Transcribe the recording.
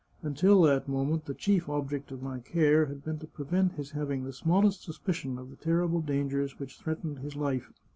Until that moment, the chief object of my care had been to prevent his having the smallest sus picion of the terrible dangers which threatened his life.